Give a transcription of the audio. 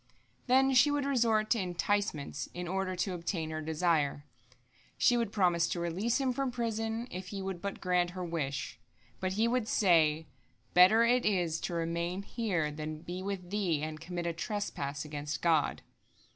" Then she would resort to enticements in order to obtain her desire. She would promise to release him from prison, if he would but grant her wish. But he would say, "Better it is to remain here than be with thee and commit a trespass against God."